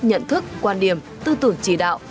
nhận thức quan điểm tư tưởng chỉ đạo